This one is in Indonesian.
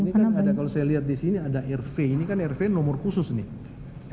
ini kan ada kalau saya lihat di sini ada rv ini kan rv nomor khusus nih